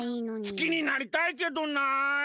好きになりたいけどな。